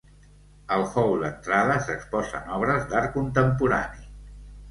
Al hall d'entrada s'exposen obres d'art contemporani.